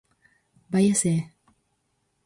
¡Vaia se é...!